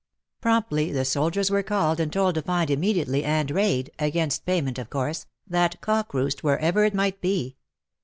Promptly the soldiers were called and told to find immediately and raid — against payment of course — that cock roost, wherever it might be.